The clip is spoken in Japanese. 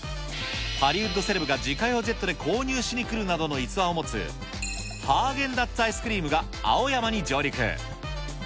ハリウッドセレブが自家用ジェットで購入しに来るなどの逸話を持つ、ハーゲンダッツアイスクリームが青山に上陸。